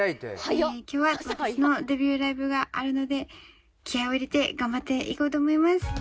今日は私のデビューライブがあるので気合いを入れて頑張っていこうと思います